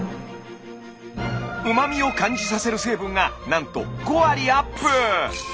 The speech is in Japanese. うまみを感じさせる成分がなんと５割アップ！